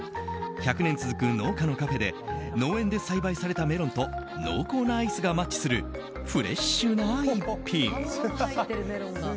１００年続く農家のカフェで農園で栽培されたメロンと濃厚なアイスがマッチするフレッシュな一品。